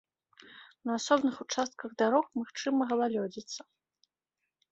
На асобных участках дарог магчыма галалёдзіца.